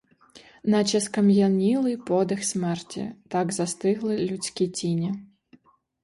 Наче скам'янілий подих смерті, так застигли людські тіні.